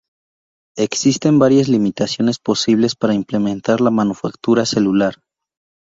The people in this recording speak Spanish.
Existen varias limitaciones posibles para implementar la manufactura celular.